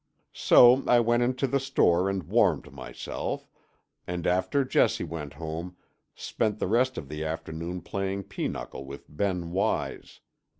So I went into the store and warmed myself, and, after Jessie went home, spent the rest of the afternoon playing pinochle with Ben Wise.